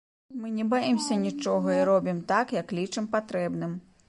Мы не баімся нічога і робім так, як лічым патрэбным.